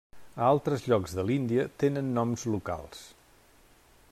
A altres llocs de l'Índia tenen noms locals.